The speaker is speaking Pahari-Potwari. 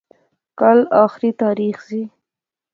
کل آھری تاریخ ذی